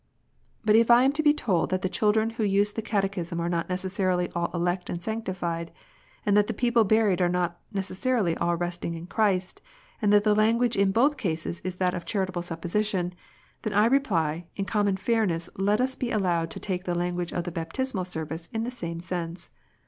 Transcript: But if I am to be told that the children who use the Cate chism are not necessarily all elect and sanctified, and that the people buried are not necessarily all resting in Christ, and that the language in both cases is that of charitable supposition, then I reply, in common fairness let us be allowed to take the language of the Baptismal Service in the same sense.